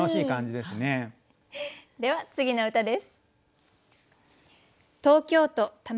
では次の歌です。